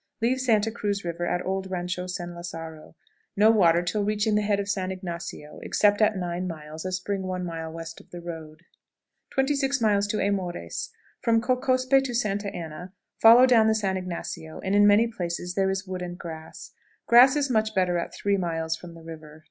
Leave Santa Cruz River at old Rancho San Lazaro. No water till reaching the head of San Ignacio, except at nine miles, a spring one mile west of the road. 26.00. Hemores. From Cocospe to Santa Anna follow down the San Ignacio, and in many places there is wood and grass. Grass is much better at three miles from the river.